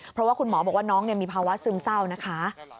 เพราะว่าคุณหมอบอกว่าน้องมีภาวะซึมเศร้านะคะ